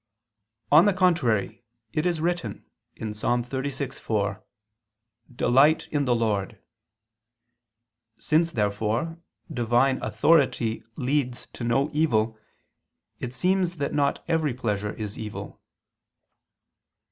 On the contrary, It is written (Ps. 36:4): "Delight in the Lord." Since, therefore, Divine authority leads to no evil, it seems that not every pleasure is evil.